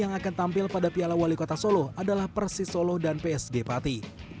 yang akan tampil pada piala wali kota solo adalah persis solo dan psg pati